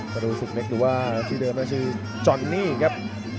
มาดูสุดนี้ดูว่าที่เดิมน่าชื่อจอนนี่ครับ